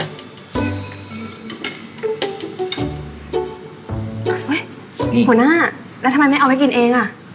เนอโชคส์ณเหรอแล้วทำไมไม่เอาให้กินเองอ่ะ